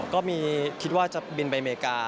ก็มีคิดว่าจะบินไปอเมริกา